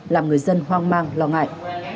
làm người dân hoang mang lo ngại